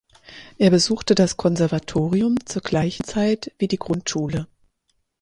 Er besuchte das Konservatorium zur gleichen Zeit wie die Grundschule.